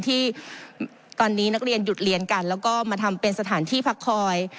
ที่ตอนนี้นักเรียนหยุดเรียนกันแล้วก็มาทำเป็นสถานที่พักคอย